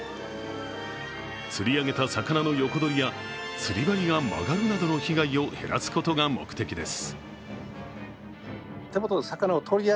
釣り上げた魚の横取りや釣り針が曲がるなどの被害を減らすことが目的です。